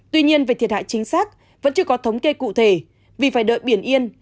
tuy nhiên về thiệt hại chính xác vẫn chưa có thống kê cụ thể vì phải đợi biển yên